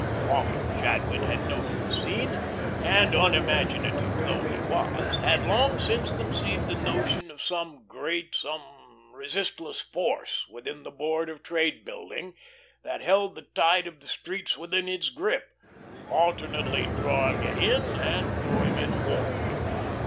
Often Jadwin had noted the scene, and, unimaginative though he was, had long since conceived the notion of some great, some resistless force within the Board of Trade Building that held the tide of the streets within its grip, alternately drawing it in and throwing it forth.